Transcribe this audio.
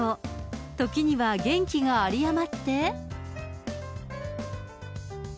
ときには元気があり余って。